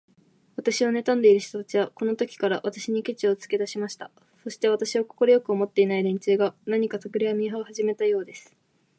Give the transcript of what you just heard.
私をねたんでいる人たちは、このときから、私にケチをつけだしました。そして、私を快く思っていない連中が、何かたくらみをはじめたようです。